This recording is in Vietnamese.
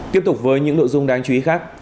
tiếp tục với những nội dung đáng chú ý khác